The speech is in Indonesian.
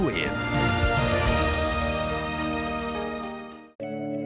periasan via san tenggara